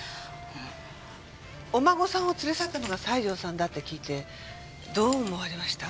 お孫さんを連れ去ったのが西条さんだって聞いてどう思われました？